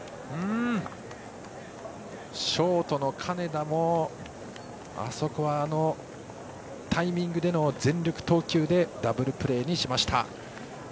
ショートの金田も、あそこはあのタイミングでの全力投球でダブルプレーにしました。